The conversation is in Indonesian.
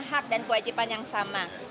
hak dan kewajiban yang sama